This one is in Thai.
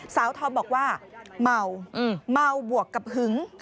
ทอมบอกว่าเมาเมาบวกกับหึง